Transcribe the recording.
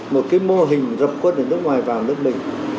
một mô hình dập khuôn nước ngoài vào nước mình